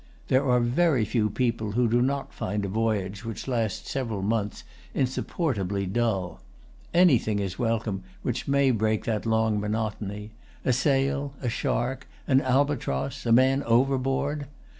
There are very few people who do not find a voyage which lasts several months insupportably dull. Anything is welcome which may break that long monotony, a sail, a shark, an albatross, a man overboard.